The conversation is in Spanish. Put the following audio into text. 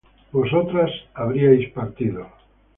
vosotras habríais partido